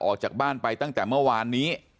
ออกจากบ้านไปตั้งแต่เมื่อวานนี้